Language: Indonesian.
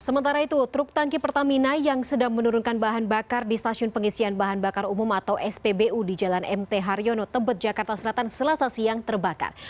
sementara itu truk tangki pertamina yang sedang menurunkan bahan bakar di stasiun pengisian bahan bakar umum atau spbu di jalan mt haryono tebet jakarta selatan selasa siang terbakar